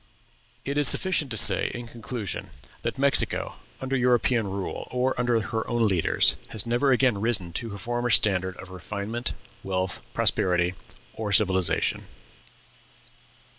It is sufficient to say, in conclusion, that Mexico, under European rule, or under her own leaders, has never again risen to her former standard of refinement, wealth, prosperity, or civilization.